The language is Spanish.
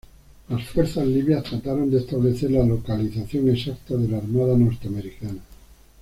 Las fuerzas libias trataron de establecer la localización exacta de la armada norteamericana.